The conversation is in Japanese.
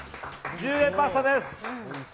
１０円パスタです。